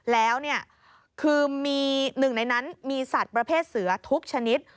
แล้วคือมีหนึ่งในนั้นมีสัตว์ประเภทเสือทุกชนิด